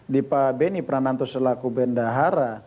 di pak beni prananto selaku bendahara